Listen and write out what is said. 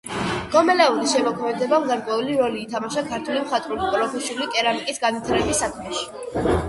გომელაურის შემოქმედებამ გარკვეული როლი ითამაშა ქართული მხატვრული პროფესიული კერამიკის განვითარების საქმეში.